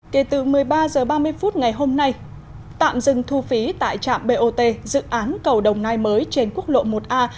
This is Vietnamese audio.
kể từ một mươi ba h ba mươi phút ngày hôm nay tạm dừng thu phí tại trạm bot dự án cầu đồng nai mới trên quốc lộ một a